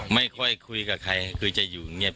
ไม่ค่อยคุยกับใครคือจะอยู่เงียบ